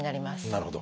なるほど。